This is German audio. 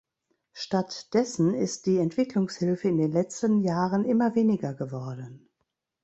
Stattdessen ist die Entwicklungshilfe in den letzten Jahren immer weniger geworden.